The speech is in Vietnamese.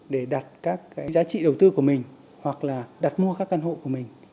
để đặt các cái giá trị đầu tư của mình hoặc là đặt mua các căn hộ của mình